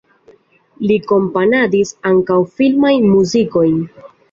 Li komponadis ankaŭ filmajn muzikojn.